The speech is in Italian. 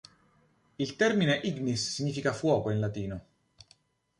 Il termine "ignis" significa "fuoco" in latino.